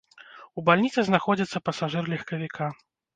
У бальніцы знаходзіцца пасажыр легкавіка.